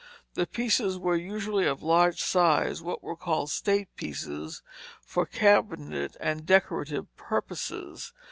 The pieces were usually of large size, what were called state pieces, for cabinet and decorative purposes.